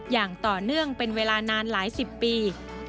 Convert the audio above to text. อย่างต่อเนื่องเป็นเวลานานหลายสิบปี